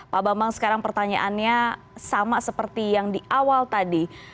pak bambang sekarang pertanyaannya sama seperti yang di awal tadi